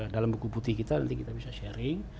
dalam buku putih kita nanti kita bisa sharing